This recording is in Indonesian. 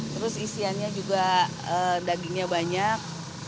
terus isiannya juga dagingnya banyak